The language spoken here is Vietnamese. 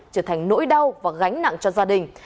trở thành nỗi đau và gánh nặng cho gia đình